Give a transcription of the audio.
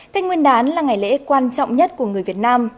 tết nguyên đán là ngày lễ quan trọng nhất của người việt nam